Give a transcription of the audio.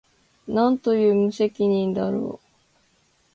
何という無責任だろう